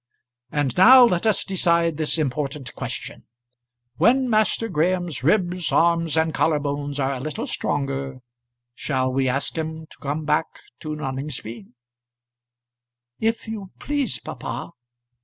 And now let us decide this important question. When Master Graham's ribs, arms, and collar bones are a little stronger, shall we ask him to come back to Noningsby?" "If you please, papa."